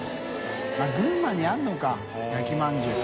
泙群馬にあるのか焼きまんじゅう。